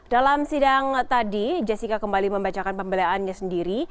dalam sidang tadi jessica kembali membacakan pembelaannya sendiri